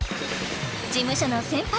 事務所の先輩